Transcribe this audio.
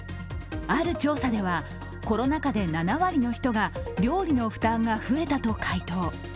ある調査では、コロナ禍で７割の人が料理の負担が増えたと回答。